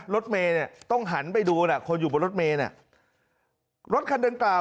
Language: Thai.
รถเมย์เนี่ยต้องหันไปดูน่ะคนอยู่บนรถเมย์เนี่ยรถคันดังกล่าว